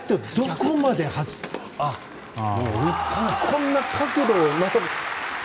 こんな角度を、また。